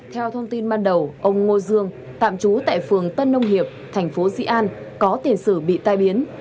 theo thông tin ban đầu ông ngô dương tạm trú tại phường tân nông hiệp thành phố dị an có tiền sử bị tai biến